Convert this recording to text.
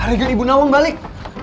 pak regar ibu nawang balik